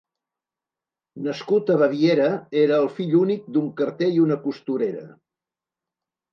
Nascut a Baviera, era el fill únic d'un carter i una costurera.